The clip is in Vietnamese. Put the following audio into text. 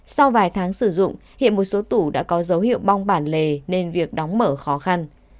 sau vài tháng sử dụng hiện một số tủ đã có dấu hiệu bong bản lề nên việc đóng mở khó khăn